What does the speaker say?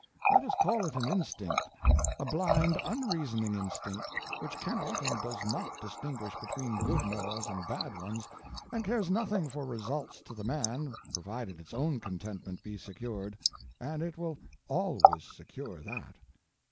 Let us call it an instinct—a blind, unreasoning instinct, which cannot and does not distinguish between good morals and bad ones, and cares nothing for results to the man provided its own contentment be secured; and it will _always _secure that.